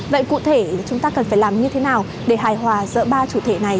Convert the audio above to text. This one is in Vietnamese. vậy cụ thể chúng ta cần phải làm như thế nào để hài hòa giữa ba chủ thể này